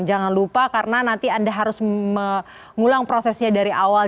jangan lupa karena nanti anda harus mengulang prosesnya dari awal